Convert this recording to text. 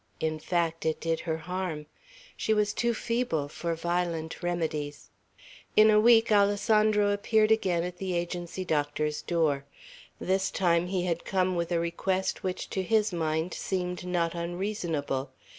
In fact, it did her harm. She was too feeble for violent remedies. In a week, Alessandro appeared again at the Agency doctor's door. This time he had come with a request which to his mind seemed not unreasonable.